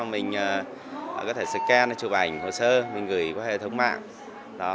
mình có thể scan chụp ảnh hồ sơ mình gửi qua hệ thống mạng